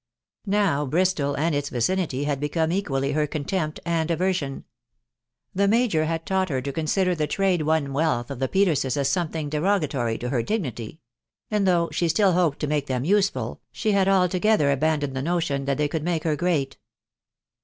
Now Bristol and its vicinity had become equally her contempt and aversion. The major had taught her to consider the trade won wealth of the Peterses as something derogatory to her dignity ; and though she still hoped to make them useful, she had altogether abandoned the notion that they could make her great.